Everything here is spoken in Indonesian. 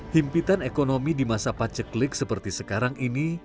himpitan ekonomi di masa paceklik seperti sekarang ini